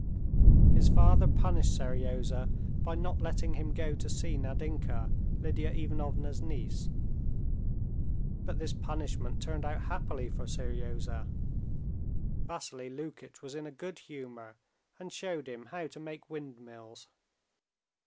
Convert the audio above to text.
His father punished Seryozha by not letting him go to see Nadinka, Lidia Ivanovna's niece; but this punishment turned out happily for Seryozha. Vassily Lukitch was in a good humor, and showed him how to make windmills.